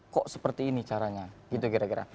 kok seperti ini caranya gitu gara gara